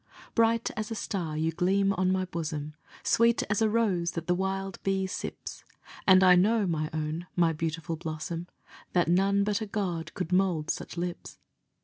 Bright as a star you gleam on my bosom, Sweet as a rose that the wild bee sips; And I know, my own, my beautiful blossom, That none but a God could mould such lips.